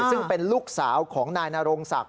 ซึ่งเป็นลูกสาวของนายนโรงศักดิ